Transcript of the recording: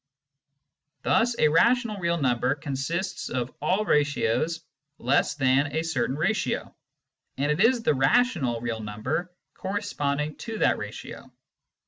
Thus a rational real number consists of all ratios less than a certain ratio, and it is the rational real number corresponding to that ratio.